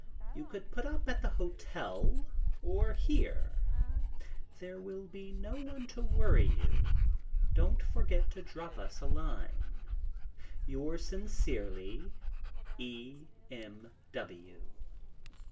You could put up at an hotel or here. There will be no one to worry you. Don't forget to drop us a line. Yours sincerely, E. M.